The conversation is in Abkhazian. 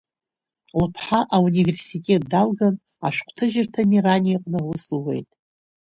Лыԥҳа ауниверситет далган, ашәҟәҭыжьырҭа Мерани аҟны аус луеит.